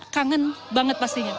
kangen banget pastinya